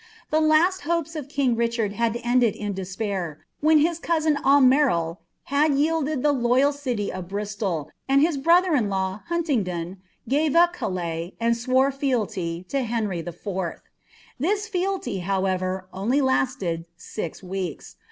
The lut ^^ hopes of kiug Richard had ended in despair, when his cousin Anmerls had yicldeil the loyal city of Bristol, and his brother in law Huniingdon pive up Calais, and swore feidiy to Henry IV. This fealty, however, only lasted six weeks.